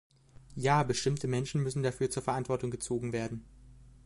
Ja, bestimmte Menschen müssen dafür zur Verantwortung gezogen werden.